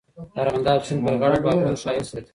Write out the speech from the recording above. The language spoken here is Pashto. د ارغنداب سیند پر غاړه باغونه ښایست زیاتوي.